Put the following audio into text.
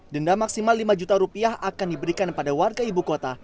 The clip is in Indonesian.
denda maksimal lima juta rupiah akan diberikan pada warga ibu kota